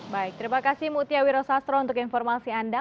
baik terima kasih muthia wirosastro untuk informasi anda